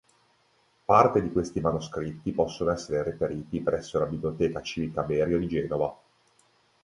Parte di questi manoscritti possono essere reperiti presso la Biblioteca Civica Berio di Genova.